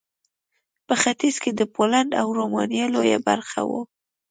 په ختیځ کې د پولنډ او رومانیا لویه برخه وه.